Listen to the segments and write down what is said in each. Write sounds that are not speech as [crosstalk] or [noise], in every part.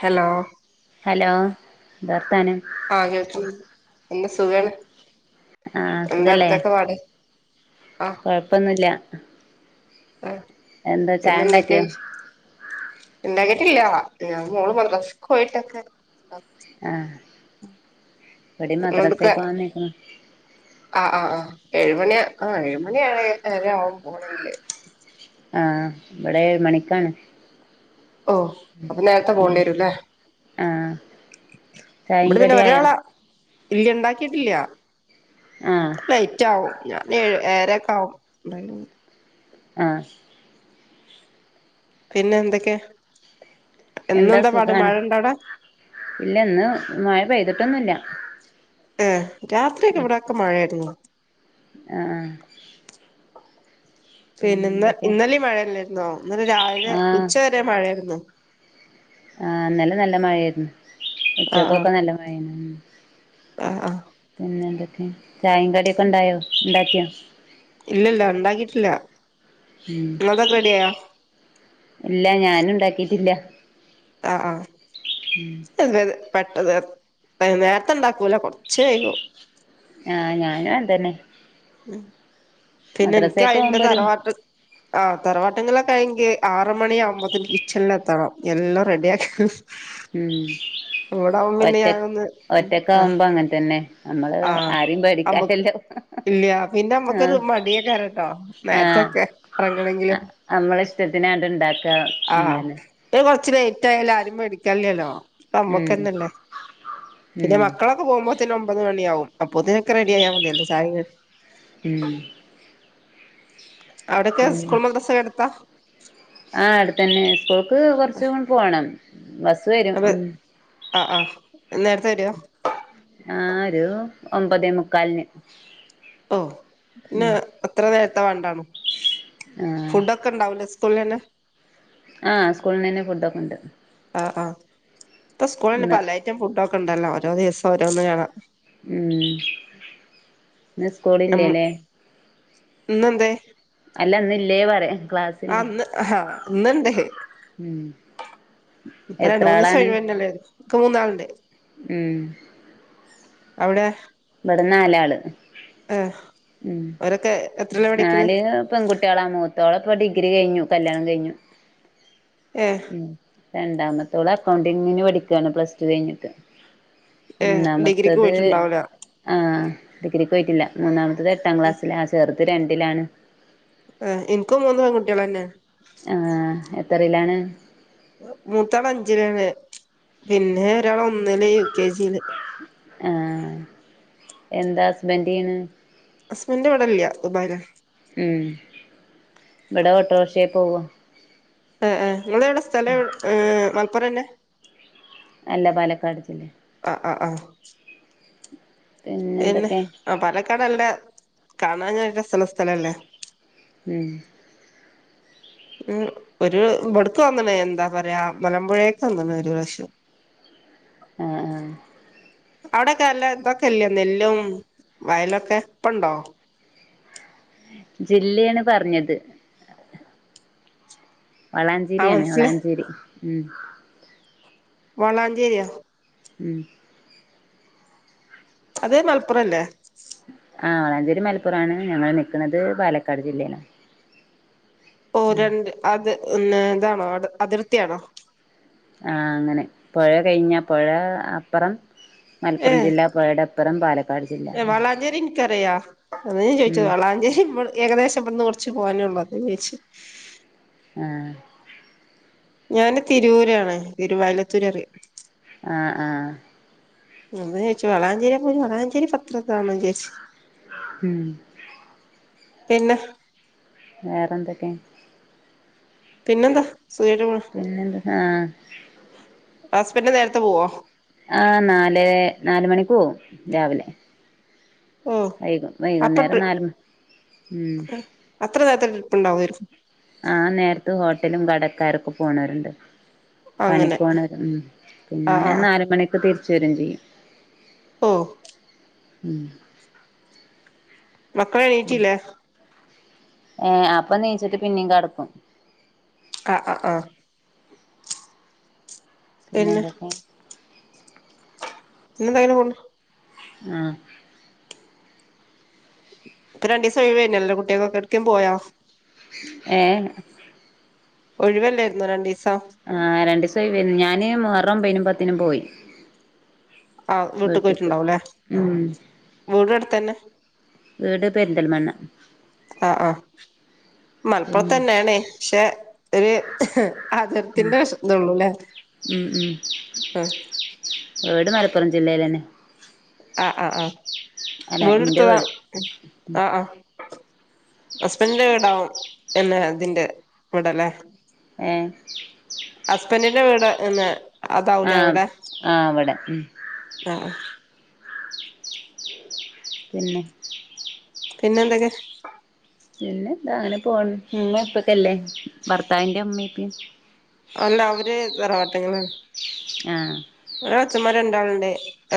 hello hello വർത്താനം ആഹ കേക്ക എന്താ സുഖാണ് ആഹ എന്താ അസുതല്ലേ അടുത്തൊക്കെ പാട് കൊഴപ്പൊന്നുമില്ല ആ പിന്നെ എന്തൊക്ക ഉണ്ടാക്കിയോ എന്ത ില്ല ഞാൻ മോള് പറയിട്ടെ എവിടെ മദ്രാസയക്ക് പോവാന്നക്കണ ആ ആ് ആ് ഏഴുമണി ആ ഏഴുമണി ഏര ആവുംും പോണെങ്കില് ആഹ ഇവിടെഏ മണിക്കാണ് ഓ അപ്പൊ നേരത്തെ പോകേണ്ടി ഉം വരുംല്ലേ ആഹ് ചായേം ഇവിടെ പിന്നെ കടി ആയോ ഒരാളാ ഇല്ലയ ഉണ്ടാക്കിട്ടില്ല ആഹ് ലൈറ്റ് ആവും ഞാൻ ഏരൊക്കെ ആാവുംണ്ട ആ പിന്നെ എന്തൊക്കെയാ എന്താ സുഖാണ് ഇല്ല ഇന്ന് മഴ പെയ്തിട്ടൊന്നുംല്ല ഏ രാത്രിയൊക്കെ ഇവിടയൊക്കെ മഴയായിരുന്നു ആ പിന്നെ ഇന്ന ഇന്നലെ മഴല്ലായിരുന്നോ ഇന്നലെ രാവിലെ ഉച്ച വരെ മഴ ആായിരുന്നു ആ അന്നലെ നല്ല മഴയായിരുന്നു ഉച്ചക്കൊക്കെ നല്ല മഴ ആഹ ആഹ പിെന്തൊക്കെയ ചായ കടിയൊക്കെ ഉണ്ടായോ ഉണ്ടാക്കിയോ ഇല്ലല്ല ഉണ്ടാക്കിട്ടില്ല ഉം എന്നതൊക്കെ റെഡിിയായോ ഇല്ല ഞാന ഉണ്ടാക്കിട്ടില്ല ആഹ ആഹ ഉം അതത് പെട്ടത് നേരത്തെ ഇണ്ടാക്കൂല കൊറച്ച് കൈകും ആഹ ഞാനും എന്തന്നെ ഉ പിന്നെ എനിക്ക് അതിന്റെ പോകുമ്പൊരു തറവാട്ട് ആ തറവാട്ടെങ്കിലൊക്കെ കഴി ആറ മണി ആകുമ്പോത്തും കിച്ചണില എത്തണം എല്ലാം റെഡിയാക്കി ഉം പിന്നെ ഒറ്റ ഞാനൊന്ന് ഉം ഒറ്റക്ക് ആഹ് ആവുമ്പോ അങ്ങനെ തന്നെ നമ്മള് ആരും പേടിക്കാല്ലല്ലോ ഇല്ല്യ പിന്നെ നമ്മക്കൊരു ആഹ് മടിയേക്കാരട്ടോ ആഹ് നേരത്തൊക്കെ അറങ്ങണങ്കിലും പിന്നാണ്ട് ഇണ്ടാക്ക ഉം തന്നെ ച്ച് ലേറ്റായാലും ആരിം പേടിക്കാല്ല്യല്ലോ ഉം നമ്മക്കന്നല്ലേ പിന്നെ ഉം മക്കളൊക്കെ പോവുമ്പോത്തിന് ഒ മണിയാവും അപ്പോത്തിനൊക്കെ റെഡിയായാ മതിയല്ലോ ചായിം കടി ഉം അവിടൊക്കെ സ്കൂൾ മദ്രസക്കെ അടുത്താ ആ അടുത്തന്നെ സ്കൂൾക്ക് കൊറച്ചൂ പോണം ബസ് വരും ഉം ആ ആഹ് നേരത്തെ വരുവോ ആഹ് ഒരു ഒമ്പതേ ഓ പിന്ന ഉം അത്ര നേരത്തെ വാണ്ടാണ് ആഹ് ഫുഡൊക്കെ ഉണ്ടാവൂലേ സ് കൂൾലന്നെ ആഹ് സ്കൂൾന്നന്നെ ഫുഡൊക്കെ ഇണ്ട് ആ ഇപ്പ സ്കൂൾലന്നെ ഇന്ന് പല ഐറ്റം ഫുഡ് ഒക്കെ ഇണ്ടല്ലോ ഓരോ ദിവസം ഓരോന്ന് ആ ഉം ഇന്ന് സ്‌കൂള് ഇല്ല്യ ലേ ഇന്നെന്തെ അല്ല ഇന്ന് ഇല്ലേ പറ്യ ആ ഇന്ന് ഹാ ഇന്ന് ണ്ട് ഉം ഇപ്പൊ രണ്ട് എത്ര മൂന്ന് ദിവസം ആളാണ് ഒഴിവന്നല്ലേ ര്ന്നു ഇക്ക് മൂന്നാള്ണ്ട് ഉം അവിടെ ഇബടെ നാലാള് ഏഹ് ഉം ഓരൊക്കെ എത്രേലാ പഠിക്ക്ണ് നാല് പെൺകുട്ടികളാ മൂ ത്തോളെ ഇപ്പ ഡിഗ്രി കയ്ഞ്ഞു കല്യാണം കയ്ഞ്ഞു ഏഹ് രണ്ടാമത്തോള് അക്കൗണ്ടിങ്ങിന് പഠിക്കാണ് പ്ലസ ടു കയ്ഞ്ഞിട്ട് ഏഹ് ഡിഗ്രിക്ക് മൂന്നാമത്തത് പോയിട്ടുണ്ടാവൂല ആ ഡിഗ്രിക്ക് പോയിട്ടില്ല മൂന്നാമത്തത് എട്ടാം ക്ലാസ്സിലാ ചെർത് രണ്ടിലാണ് ആ എനിക്കും മൂന്ന് പൺകുട്ടികളെന്നെ ആഹ് എത്രയിലാണ് മൂത്താൾ അഞ്ചിലാണ് പിന്നെ ഒരാള് ഒന്നില് യു കെ ജി ല് ആഹ് എന്താ ഹസ്ബൻഡീ യ്ണ് ഹസ്ബൻഡ് ഇവടെല്ല്യ ദുബായ് ലാ ഉം ഇവിടെ ഓട്ടോറിക്ഷെ പോവ ആ ആ ഇങ്ങളെവിടെ സ്ഥലം ഏ മലപ്പുറന്നെ അല്ല പാലക്കാട് ജില്ലെ ആ ആ പിന്നെ ആ പാലക്കാട് നല്ല കാണാന് രസള്ള സ്ഥലല്ലേ ഉം ഉം ഒരു ഇവിട്ക്ക് വന്നണേ എന്താ പറയാ മലമ്പുഴേക്ക് വന്ന്ണ് ഒരു പ്രാവശ്യം ആ ആ അവിടെക്കെ നല്ല ഇതൊക്കെ ഇല്ലേ നെല്ലും വയലൊക്കെ ഇപ്പണ്ടോ ജില്ലേണ് പറഞ്ഞത് ആഹ് വളാഞ്ചേരിയാണ് മനസ്സിലായി വളാഞ്ചേരി ഉം വളാഞ്ചേരിയാ ഉം അത് മലപ്പുറല്ലേ ആ വളാഞ്ചേരി മലപ്പുറാണ് ഞങ്ങൾ നിക്കുന്നത് പാലക്കാട് ജില്ലേണ് ഓ രണ്ട് അത് ന്ന ഇതാണോ അതിർത്തിയാണോ ആ അങ്ങനെ പുഴ കഴിഞ്ഞാൽ പുഴ അപ്പൊറം മലപ്പുറം ജില്ലാ പുഴയുടെ [unintelligible] ഏ വളാഞ്ചേരി ഇനിക് അറിയാ അതാ ഞാൻ ചോദിച്ചത് ഉം വളാഞ്ചേരി ഏകദേശം ഇവിടുന്ന് കുറച്ച് ആ ഞാന് തിരൂർ ആണ് തിരുവയലത്തൂർ അറിയാം ആ ആ [unintelligible] മം പിന്നെ വേറെ എന്തൊക്കെ പിന്നെന്താ സുഖായിട്ട് പോണ് പിന്നെന്താ ആഹ് ഹസ്ബന്റ് നേരത്തെ പോവോ ആ നാലെ നാലുമണിക്ക് പോവും രാവിലെ വൈകും വൈകുന്നേരം നാല് മ ഉം [unintelligible] ഉണ്ടാവെര്ക്കും ആ നേരത്ത് ഹോട്ടലും വടക്കാരൊക്കെ പോണോരുണ്ട് അങ്ങനെ പണിക്ക് പോണോരും മം ആ പിന്നെ ആ നാലുമണിക് തിരിച്ചു വരും ചെയ്യും ഓ ഉം മക്കൾ എണീറ്റില്ലേ ഏ അപ്പൊ നീച്ചിട്ട് പിന്നിം കടക്കും ആ ആ ആഹ പിന്നെ എന്തൊക്കെ [unintelligible] ആ ഇപ്പൊ രണ്ടീസം ഒഴിവെയ്‌നല്ലോ കുട്ടിയാക്കൊക്കെ എവിടുക്കേലും പോയോ ഏ ഒഴിവല്ലായിരുന്നോ രണ്ടീസം ആ രണ്ടീസം ഒഴിവെയ്‌ന്നു ഞാന്ന് മുഹറം ഒമ്പിനും പത്തിനും പോയി ആ വീട്ടിക്ക് വീട്ട്ക്ക് പോയിട്ടുണ്ടാവുല്ലേ ഉം വീട് അടുത്തന്നെ വീട് പെരിന്തൽമണ്ണ ആ ആ പിന്നെ മലപ്പുറത്തന്നെണ്ണയ്യ് പക്ഷെ ഒരു ഹ്ഹ് അതിർത്തിന്റെ ഇത് ഉള്ളുല്ലേ ഉം ഉം വീട് മലപ്പുറം ജില്ലയിലന്നെ ആ ആ ആ വീട് എടുത്തതാ ആഹ ആഹ ഹസ്ബന്റിന്റെ വീടാവും എന്നെ ഇതിന്റെ ഇവിടല്ലേ ഏഹ് ഹസ്ബന്റിന്റെ വീട് എന്നെ അതാവുംലെ ആഹ് അവിടെ ആഹ് ഇവടെ ഉം ആ പിന്നെ പിന്നെന്തൊക്കെ പിന്നെന്താ അങ്ങനെ പോണ് ഉമ്മീം ഇപ്പക്കെ ഇല്ലേ ഭർത്താവിന്റെ ഉമ്മീം ഇപ്പി അല്ല അവര് തറവാട്ടിങ്ങൾ ആണ് ആഹ അച്ഛന്മാർ രണ്ടാളുണ്ട്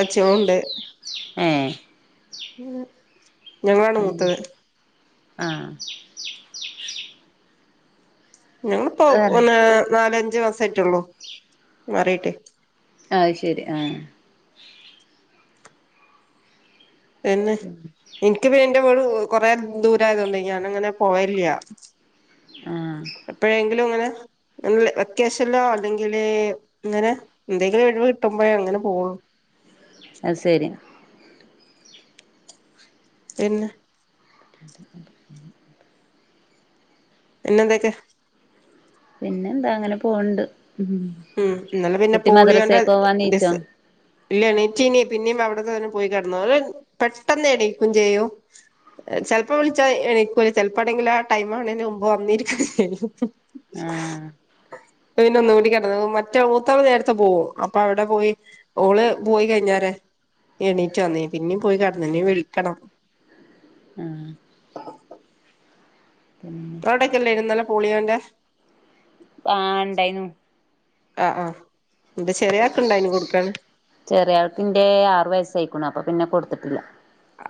അച്ചികളുണ്ട് ഏഹ് ഉ ഞങ്ങളാണ് മൂത്തത് ആഹ ഞങ്ങിപ്പോ വേറെ ഒന്ന നാലുഞ്ചു മാസായിട്ടുള്ളൂ മാറിട്ടേ അത് ശരി ആ പിന്നെ എനിക്ക് എന്റെറെ വീട് കൊറെ ദൂരയൊണ്ട് ഞാൻ അങ്ങനെ പോകറില്ല ആഹ് എപ്പോഴെങ്കിലും അങ്ങനെ വെക്കേഷനിലോ അല്ലെങ്കില് അങ്ങനെ എന്തെങ്കിലും ഒഴിവു കിട്ടുമ്പോഴേ അങ്ങനെ പോകൂ അ ശരി പിന്നെ പിന്നെന്തൊക്കെ പിന്നെന്താ അങ്ങനെ പോവുണ്ട് ഉം ഇന്നലെ പിന്നെ പോളിയോന്റെ പോവാൻ ഡീസ നീച്ചോ ഇല്ലാഎണീറ്റീനി പിന്നീ അവിടത്തെ തന്നെ പോയി കിടന്നു പെട്ടെന്ന് എണീക്കും ചെയ്യും ചെലപ്പോ വിളിച്ചാ എനിക്കൂല ചിലപ്പോാണെങ്കിലും ആ ടൈം ആകുന്നമുന്നെ വന്നിരിക്കുകയും ചെയ്യും ആഹ പിന്നെ ഒന്നുകൂടി മറ്റേ മൂത്തള് നേരത്തെ പോകും അപ്പൊ അവിടെ പോയി ഓള് പോയി കഴിഞ്ഞരെ എണീറ്റവന്ന് പിന്നീ പോയി കിടന്ന് ഇനി വിളിക്കണം ആഹ ഇങ്ങളെടൊക്കെ ഇല്ലെന്യൂ ഇന്നലെ പോളിയോന്റെ ആഹ് ഇണ്ടായിനു ആഹ് ആഹ് ഇന്റെ ചെറിയ ആൾക്കുണ്ടെന്യൂ കൊടുക്കാണ് ചെറിയ ആൾക്കിന്റെ ആറു വയസ്സായിക്കണ അപ്പൊ പിന്നെ കൊടുത്തിട്ടില്ല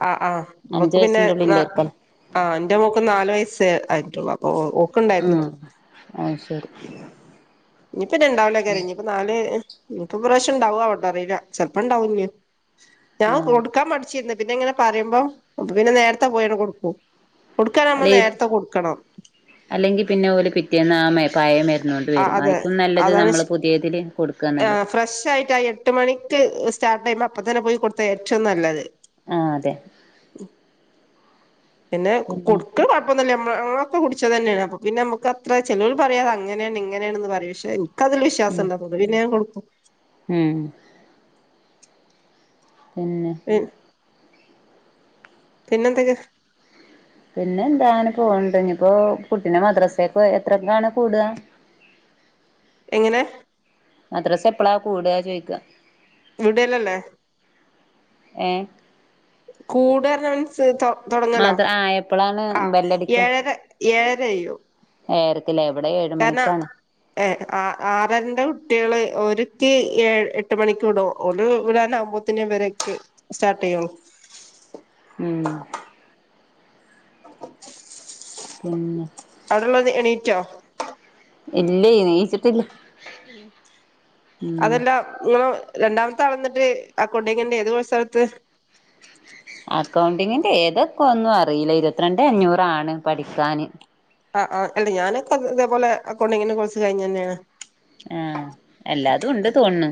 ആ ആ് അഞ്ചു ഇവക് പിന്നെ വയസ്സിന്റെ ഉള്ളിൽ ഇണ്ടായിരിക്കല്ലോ എന്റെ മോൾക് നാലു വയസ്സ് ആയിട്ടുള്ളു അപ്പൊ ആ ഓക്കുണ്ടായിരുന്നു ആ ശരി ഇനിയിപ്പം ഉണ്ടാവെക്കാരം ഇനീപ്പം നാലു ഇനി ഇപ്പം പ്രാവശ്യം ഉണ്ടാവോ അറിയില്ല ചിലപ്പോ ഉണ്ടാവില്ല ഞാൻ ആഹ് കൊടുക്കാൻ മടിച്ചിന്ന് പിന്നെ ഇങ്ങനെ പറയുമ്പോ പിന്നെ നേരത്തെ പോയാണ് കൊടുക്കു കൊടുക്കണേൽ നമ്മൾ അല്ലെ നേരത്തെ കൊടുക്കണം അല്ലെങ്കി പിന്നെ ഓല് പിറ്റേന്ന് ആ മ പഴയ മരുന്നോണ്ട് ആ വരും അതെ അയിക്കും നല്ലത് അതാണ് നമ്മള് പുതിയതില് കൊടുക്കാ ആ നല്ലത് ഫ്രഷായിട്ട് ആ എട്ട് മണി സ്റ്റാർട്ട് ചെയ്യുമ്പോ അപ്പൊ തന്നെ കൊടുത്ത ഏറ്റവും നല്ലത് ആ അതെ പിന്നെ കൊടുക്ക കൊഴപ്പന്നില്ലമ്മ കുടിച്ചത് തന്നെയാണ് അപ്പൊ പിന്നെ നമക്ക് അത്ര ചിലവർ പറയാതെ അങ്ങനെയാണ് എങ്ങനെയാണെന്ന് പറയും പെ അതിൽ വിശ്വാസം ഉണ്ടാന്ന പിന്നെ ഞൻ കൊടുക്കും ഹം പിന്നെ പിന്നെന്തൊക്കെ പിന്നെ എന്താെ പോണ്ട ഇനി ഇപ്പോ കുട്ടീനെ മദ്രാസക്ക് എത്രൊക്കാണ് കൂടുക എങ്ങനെ മദ്രസ എപ്പളാ കൂടുക ചോദിക്കുക വിടൽ അല്ലെ ഏ കൂടാ പറഞ്ഞ മനസ്സിൽ തുടങ്ങലോ മദ്ര ആ എപ്പളാണ് ആ ബെല്ലടിക്കാ ഏഴര ഏഴരകയ്യും ഏഴരക്കല്ലേ ഇവിടെ ഏഴ് കാരണം മണിക്കാണ് ഏ ആ ആറരന്റെ കുട്ടികള് ഓരിക്ക് എട്ട് മണിക്കൂ വിടും ഓര് വിടാനാവകുമ്പോത്തന ഇവരക്ക് സ്റ്റാർട്ട് ചെയ്യളൂ ഉം പിന്നെ അടുുള്ളത് എണീറ്റോ ഇല്ല നീച്ചിട്ടില്ല ഉം അതെല്ലാം നിങ്ങെ രണ്ടാമത്തൊ വന്നിട്ട് ആ കൊട്ടങ്ങ ഏത് കോഴ സ്ഥലത്ത് അക്കൗണ്ടിങ്ങിന്റെ ഏതൊക്കെ ഒന്നും അറിയില്ല ഇരുപത്തിരണ്ട് അഞ്ഞൂറാണ് പഠിക്കാാന് ആ ആ അല്ല ഞാനൊക്കെ ഇതേപോലെ അക്കൗണ്ടിങ്ങിനെ കുഴസ് കഴിഞ്ഞു തന്നെയാണ് ആഹ എല്ലാതും ഉണ്ട് തോന്നു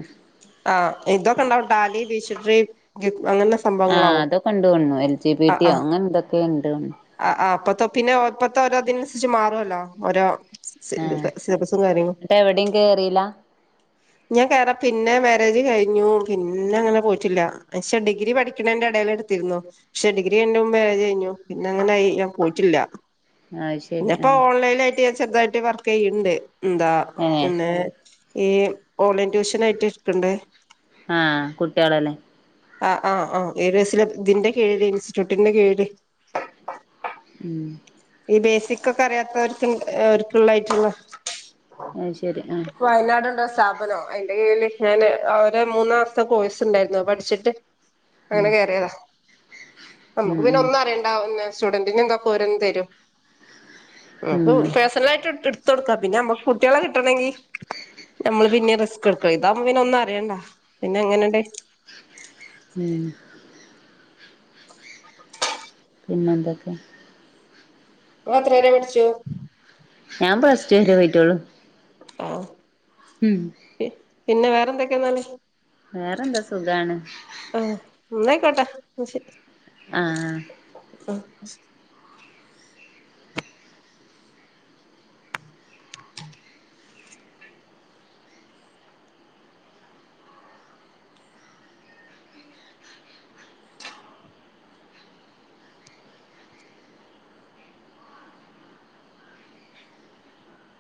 ആഹ് ഇതൊക്കെ ഇണ്ടാവും ഡാലി ഭീഷട്രി ആഹ അതൊ കൊണ്ടുവോു എൽ ജി ആ ആ ബി ിയോ അങ്ങനെ ഇതൊെ ആ ആ അപ്പത്തെ പിന്നെ ഒപ്പത്തെ രോ അതിനനുസരിച്ച് മാറുവല്ലോ ഓരോ ആ സിിലപ്പസും കാര്യങ്ങളും എന്നിട്ട് എവിടെയും കേറില്ല ഞാൻ കേറാ പിന്നെ മാരേജ് കഴിഞ്ഞു പിന്നെ അങ്ങനെ പോയിട്ടില്ല പക്ഷെ ഡിഗ്രി പഠിക്കണേന്റെ ടൽ എടുത്തിരുന്നു പക്ഷെ ഡിഗ്രി എന്റെ മുമ്പേ കഴിഞ്ഞു പിന്നെ അങ്ങനെയി ഞാൻ പോയിട്ടില്ല അത് പിന്ന ശരി ഇപ്പോ ആ ഓൺലൈന ആായിട്ട് ചെറുതായിട്ട് വർക്ക് ചെയ്യണ്ട് എന്താ ഏ പിന്നെ ഈ ഓൺലൈൻ ട്യൂഷൻ ആയിട്ട് എടുക്കണ്ടേ ആഹ് കുട്ടികളല്ലേ ആ ആ ആ ഏസില ഇതിന്റെ കീഴില് ഇൻസ്റ്റിറ്റ്യൂട്ടിന്റെ കീഴില് ഉം ഈ ബേസിക് ഒക്കെ അറിയാത്തവർ ഒക്കുള്ളായിട്ടുള്ള ആഹ ശരി ആഹ സ്ഥാപനോ അതിന്റെ കീഴില് ഞാന് മൂന്ന് മാസത്തെ കോഴ്സ് ഉണ്ടായിരുന്നു പഠിച്ചിട്ട് ഉം അങ്ങനെ കയറിയതാ ഉം നമ്മുക്ക് പിന്നെ ഉം ഒന്നും അറിയണ്ട സ്റ്റുഡന്റിനെ എന്തൊക്കെ ഓരോന്ന് തരും പ്പ ഉം പേഴ്സണല ആായിട്ട് എടുത്ത കൊടുക്കാ പിന്നെ നമ്മക്ക് കുട്ടികളെ കിട്ടണമെങ്കി നമ്മള് പിന്നെ റിസ്ക് എടുക്ക ഇതാവക്പ പിന്നെ ഒന്നും അറിയണ്ട പിന്നെ എങ്ങനെയണ്ടേ പി പിന്നന്തൊക്കെ അ അത്രയര പഠിച്ചു ഞാൻ ബസ്റ്റ് വരെ പോയിട്ടോളു ആഹ ഉം പിന്നെ വേറെന്തൊക്കെയാ എന്നാല വേറെന്താ സുഖാണ് ഉന്നായിക്കോട്ട ആഹ അ